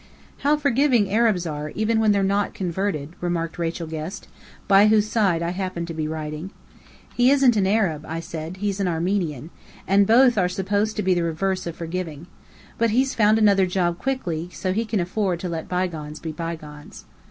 "How forgiving Arabs are, even when they're not converted!" remarked Rachel Guest, by whose side I happened to be riding. "He isn't an Arab," said I. "He's an Armenian. And both are supposed to be the reverse of forgiving. But he's found another job quickly, so he can afford to let bygones be bygones."